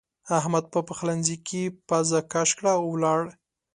احمد په پخلنځ کې پزه کش کړه او ولاړ.